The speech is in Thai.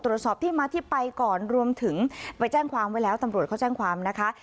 ตรวจสอบที่มาที่ไปก่อนรวมถึงไปแจ้งความไว้แล้วตำรวจเขาแจ้งความนะคะ